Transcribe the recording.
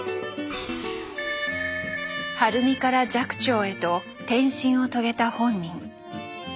晴美から寂聴へと転身を遂げた本人。